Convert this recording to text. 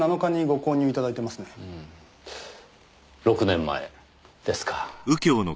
６年前ですか。